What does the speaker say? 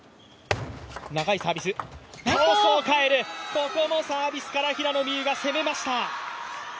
ここもサービスから平野美宇が攻めました。